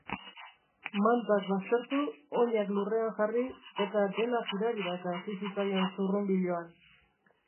Mantak baztertu, oinak lurrean jarri, eta dena jirabiraka hasi zitzaion zurrunbiloan.